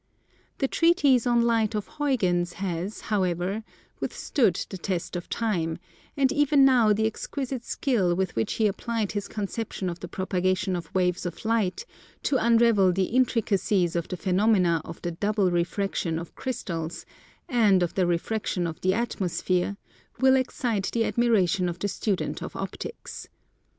The Treatise on Light of Huygens has, however, withstood the test of time: and even now the exquisite skill with which he applied his conception of the propagation of waves of light to unravel the intricacies of the phenomena of the double refraction of crystals, and of the refraction of the atmosphere, will excite the admiration of the student of Optics.